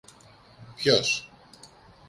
Ποιος;